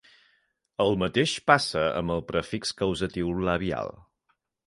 El mateix passa amb el prefix causatiu labial.